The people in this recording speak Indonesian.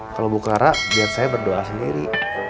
kalau bu clara biar saya berdoa sendiri